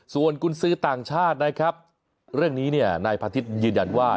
ส่วนคุณซื้อต่างชาตินะครับเรื่องนี้นายพระอาทิตย์ยืนยันว่า